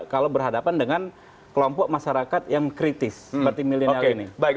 kalau berhadapan dengan kelompok masyarakat yang kritis seperti milenial ini